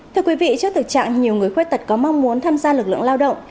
thưa quý vị trước thực trạng nhiều người khuyết tật có mong muốn tham gia lực lượng lao động